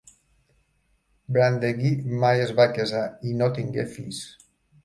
Brandegee mai es va casar i no tingué fills.